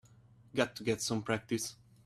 Got to get some practice.